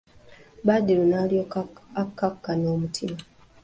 Badru n'alyoka akakkana omutima.